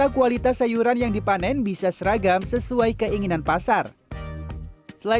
kita bisa memprediksi